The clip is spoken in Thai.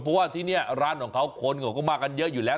เพราะว่าที่นี่ร้านของเขาคนเขาก็มากันเยอะอยู่แล้ว